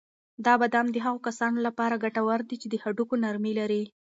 دا بادام د هغو کسانو لپاره ګټور دي چې د هډوکو نرمي لري.